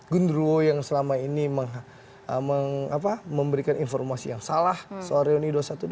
gundurwo yang selama ini memberikan informasi yang salah soal reuni dua ratus dua belas